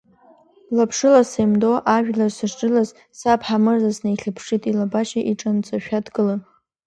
Лаԥшыла сеимдо ажәлар сышрылаз, саб Ҳамырза снаихьыԥшит, илабашьа иҽанҵашәа дгылан.